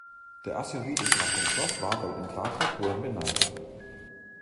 Der Asteroid ist nach dem Schloss Wawel in Krakau, Polen benannt.